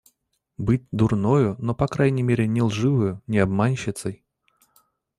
Быть дурною, но по крайней мере не лживою, не обманщицей!